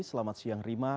selamat siang rima